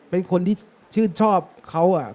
เป็นคนที่ชื่นชอบเขา